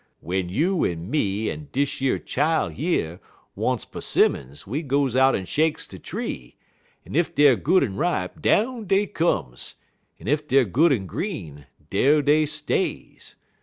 W'en you en me en dish yer chile yer wants 'simmons, we goes out en shakes de tree, en ef deyer good en ripe, down dey comes, en ef deyer good en green, dar dey stays.